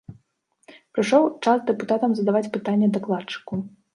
Прыйшоў час дэпутатам задаваць пытанні дакладчыку.